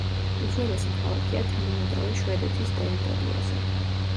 უძველესი ქალაქია თანამედროვე შვედეთის ტერიტორიაზე.